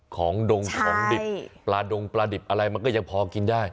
ของดงของดิบปลาดงปลาดิบอะไรมันก็ยังพอกินได้